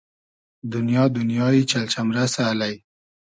دونیا دونیای چئل چئمرئسۂ الݷ